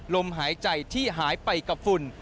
ลมหายใจที่หายไปกับฝุ่น